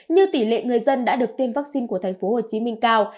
như tỷ lệ người dân đã được tiên vaccine của thành phố hồ chí minh cao